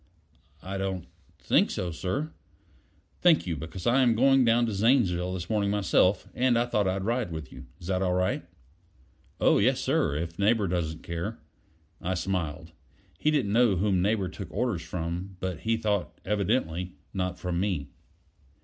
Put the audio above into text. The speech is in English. "I don't think so, sir." "Thank you; because I am going down to Zanesville this morning myself, and I thought I'd ride with you. Is it all right?" "Oh, yes, sir if Neighbor doesn't care." I smiled: he didn't know whom Neighbor took orders from; but he thought, evidently, not from me.